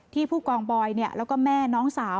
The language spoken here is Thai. ผู้กองบอยแล้วก็แม่น้องสาว